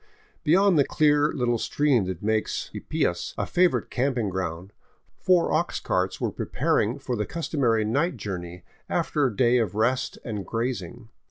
Beyond the clear little stream that makes Ypias a favorite camping ground, four ox carts were preparing for the customary night journey after a day of rest and grazing.